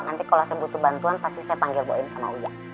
nanti kalau saya butuh bantuan pasti saya panggil boeing sama uya